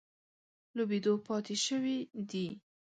لوبېدو پاتې شوي دي.